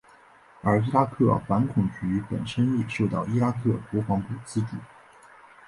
而伊拉克反恐局本身也受到伊拉克国防部资助。